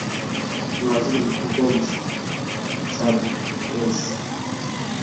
na waziri mkuu beji sadi ebesi